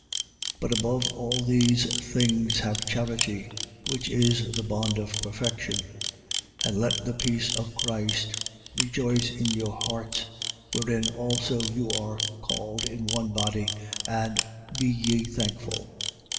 3:14. But above all these things have charity, which is the bond of perfection. 3:15. And let the peace of Christ rejoice in your hearts, wherein also you are called in one body: and be ye thankful.